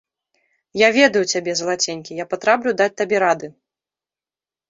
Я ведаю цябе, залаценькі, я патраплю даць табе рады!